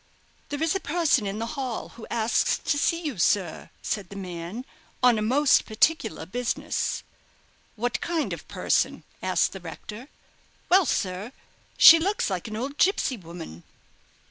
"There is a person in the hall who asks to see you, sir," said the man, "on most particular business." "What kind of person?" asked the rector. "Well, sir, she looks like an old gipsy woman."